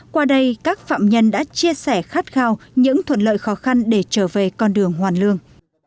qua đây các phạm nhân đã chia sẻ khát khao những thuận lợi khó khăn để trở về con đường hoàn lương